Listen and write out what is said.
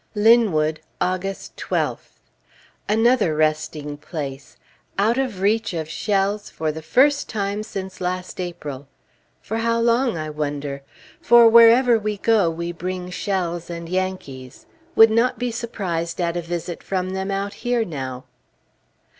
LINWOOD, August 12th. Another resting place! Out of reach of shells for the first time since last April! For how long, I wonder? For wherever we go, we bring shells and Yankees. Would not be surprised at a visit from them out here, now!